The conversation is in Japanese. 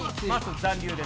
残留です。